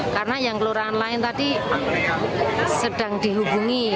karena yang lurahan lain tadi sedang dihubungi